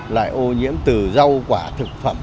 lại ô nhiễm từ rau quả thực phẩm